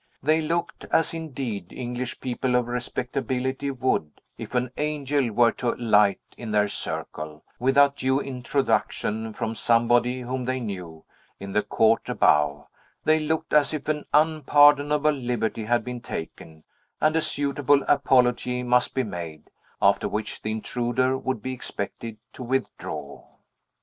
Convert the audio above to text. They looked, as, indeed, English people of respectability would, if an angel were to alight in their circle, without due introduction from somebody whom they knew, in the court above, they looked as if an unpardonable liberty had been taken, and a suitable apology must be made; after which, the intruder would be expected to withdraw.